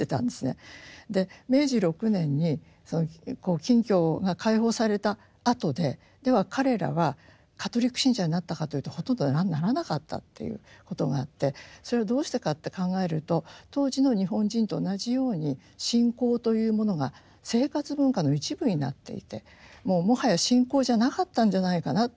で明治６年に禁教が解放されたあとででは彼らはカトリック信者になったかというとほとんどならなかったっていうことがあってそれはどうしてかって考えると当時の日本人と同じように信仰というものが生活文化の一部になっていてもうもはや信仰じゃなかったんじゃないかなっていうふうに思うんですね。